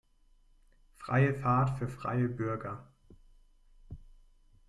Freie Fahrt für freie Bürger!